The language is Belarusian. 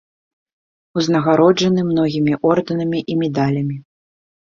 Узнагароджаны многімі ордэнамі і медалямі.